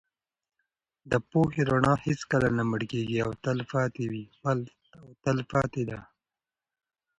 د پوهې رڼا هېڅکله نه مړکېږي او تل پاتې ده.